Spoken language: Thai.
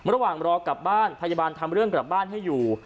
ระหว่างรอกลับบ้านพยาบาลทำเรื่องกลับบ้านให้อยู่